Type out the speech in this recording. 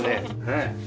ねえ。